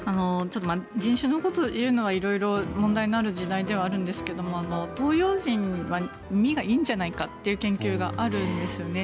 人種のことを言うのは色々問題になる時代ではあるんですが東洋人は耳がいいんじゃないかっていう研究があるんですよね。